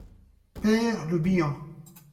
Pêr Le Bihan.